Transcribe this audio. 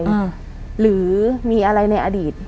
ไม่ตบายใจหรือมีอะไรในอดีต